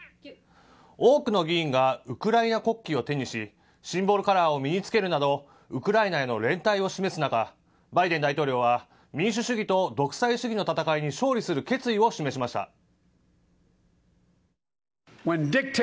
多くの議員がウクライナ国旗を手にし、シンボルカラーを身に着けるなど、ウクライナへの連帯を示す中、バイデン大統領は、民主主義と独裁主義の戦いに勝利する決意を示しました。